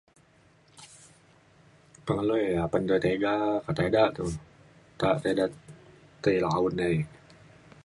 pangalui apan du tiga kata ida tu. nta te ida tei lawen nai